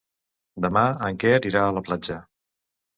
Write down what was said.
Demà en Quer irà a la platja.